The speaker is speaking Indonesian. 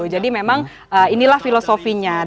jadi memang inilah filosofinya